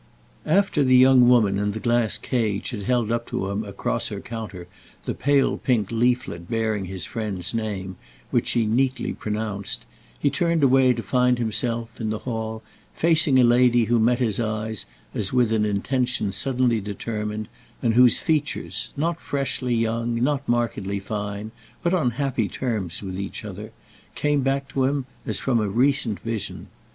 After the young woman in the glass cage had held up to him across her counter the pale pink leaflet bearing his friend's name, which she neatly pronounced, he turned away to find himself, in the hall, facing a lady who met his eyes as with an intention suddenly determined, and whose features—not freshly young, not markedly fine, but on happy terms with each other—came back to him as from a recent vision.